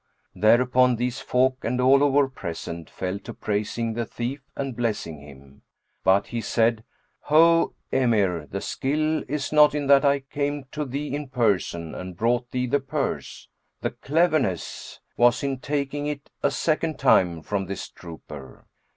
Thereupon these folk and all who were present fell to praising the thief and blessing him; but he said, "Ho! Emir, the skill is not in that I came to thee in person and brought thee the purse; the cleverness was in taking it a second time from this trooper."